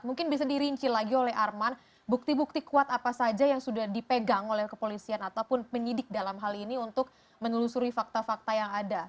mungkin bisa dirinci lagi oleh arman bukti bukti kuat apa saja yang sudah dipegang oleh kepolisian ataupun penyidik dalam hal ini untuk menelusuri fakta fakta yang ada